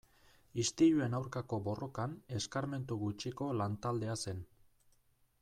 Istiluen aurkako borrokan eskarmentu gutxiko lan-taldea zen.